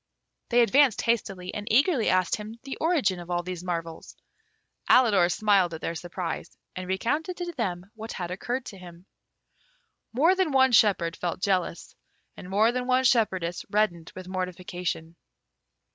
They advanced hastily, and eagerly asked him the origin of all these marvels. Alidor smiled at their surprise, and recounted to them what had occurred to him. More than one shepherd felt jealous, and more than one shepherdess reddened with mortification.